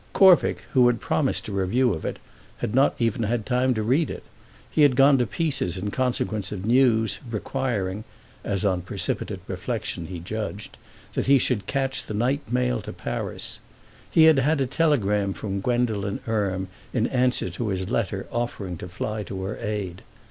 Corvick, who had promised a review of it, had not even had time to read it; he had gone to pieces in consequence of news requiring—as on precipitate reflexion he judged—that he should catch the night mail to Paris. He had had a telegram from Gwendolen Erme in answer to his letter offering to fly to her aid.